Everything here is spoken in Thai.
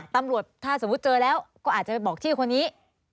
ตำรวจถ้าสมมุติเจอแล้วก็อาจจะไปบอกที่คนนี้